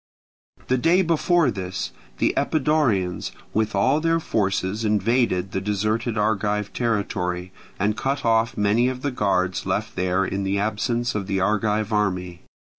The day before this battle, the Epidaurians with all their forces invaded the deserted Argive territory, and cut off many of the guards left there in the absence of the Argive army.